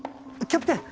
キャプテン！